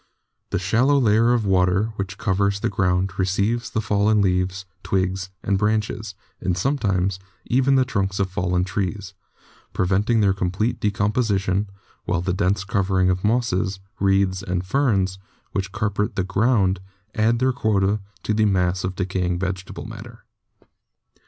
The shallow layer of water which covers the ground receives the fallen leaves, twigs and branches, and sometimes even the trunks of fallen trees, preventing their complete decomposition, while the dense covering of mosses, reeds and ferns which carpet the ground add their quota to the mass of decaying vege table matter.